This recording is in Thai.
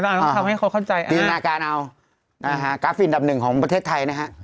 ต้องทำให้เขาเข้าใจอ่าฮะกราฟินดำหนึ่งของประเทศไทยนะฮะ